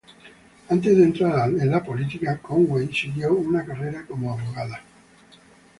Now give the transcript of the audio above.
Antes de entrar a la política, Conway siguió una carrera como abogada.